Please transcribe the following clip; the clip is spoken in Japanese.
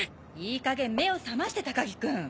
いい加減目を覚まして高木君。